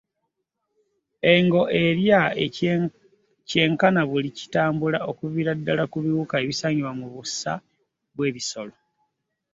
Engo erya kyenkana buli kitambula okuviira ddala ku biwuka ebisangibwa wansi w’obusa bw’ebisolo.